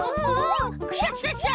クシャシャシャ！